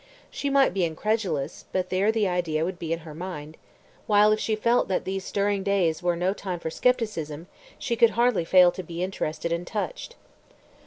She might be incredulous, but there the idea would be in her mind, while if she felt that these stirring days were no time for scepticism, she could hardly fail to be interested and touched.